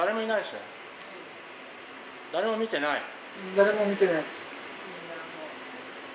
誰も見てないです。